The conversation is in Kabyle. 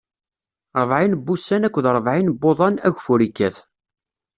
Ṛebɛin n wussan akked ṛebɛin n wuḍan, ageffur ikkat.